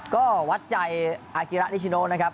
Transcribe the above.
ก็วัดใจอาคิระนิชิโนนะครับ